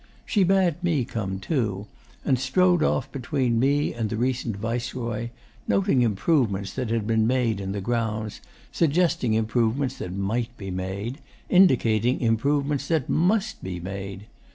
She bade me come too, and strode off between me and the recent Viceroy, noting improvements that had been made in the grounds, suggesting improvements that might be made, indicating improvements that MUST be made.